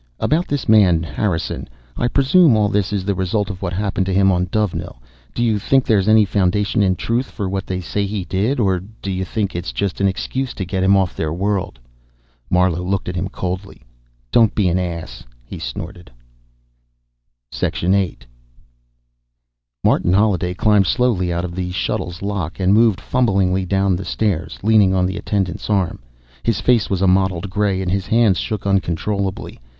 "About this man, Harrison. I presume all this is the result of what happened to him on Dovenil. Do you think there's any foundation in truth for what they say he did? Or do you think it's just an excuse to get him off their world?" Marlowe looked at him coldly. "Don't be an ass," he snorted. VIII. Martin Holliday climbed slowly out of the shuttle's lock and moved fumblingly down the stairs, leaning on the attendant's arm. His face was a mottled gray, and his hands shook uncontrollably.